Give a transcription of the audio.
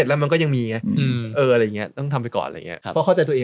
เอออะไรอย่างเพราะเพราะเข้าใจตัวเอง